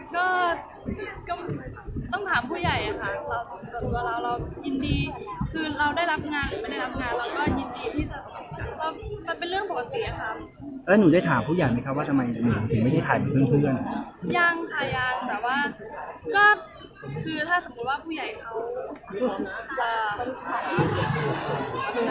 ก็ต้องถามผู้ใหญ่อะค่ะตัวเราเรายินดีคือเราได้รับงานหรือไม่ได้รับงานเราก็ยินดีมันเป็นเรื่องปกติอะค่ะ